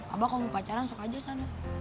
abah kalau mau pacaran masuk aja sana